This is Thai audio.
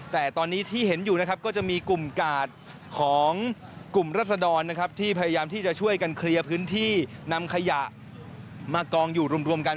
แต่ตอนนี้ที่เห็นอยู่นะครับก็จะมีกลุ่มกาดของกลุ่มรัศดรนะครับที่พยายามที่จะช่วยกันเคลียร์พื้นที่นำขยะมากองอยู่รวมกัน